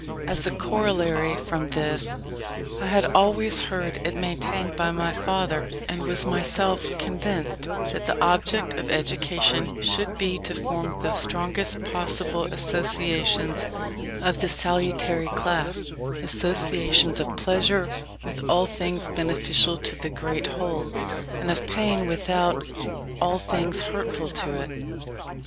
As a corollary from this, I had always heard it maintained by my father, and was myself convinced, that the object of education should be to form the strongest possible associations of the salutary class; associations of pleasure with all things beneficial to the great whole, and of pain with all things hurtful to it.